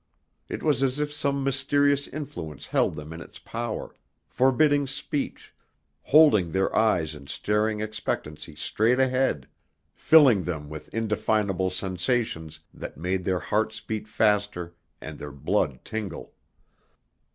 It was as if some mysterious influence held them in its power, forbidding speech, holding their eyes in staring expectancy straight ahead, filling them with indefinable sensations that made their hearts beat faster and their blood tingle.